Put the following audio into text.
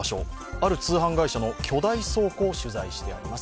ある通販会社の巨大倉庫を取材してあります。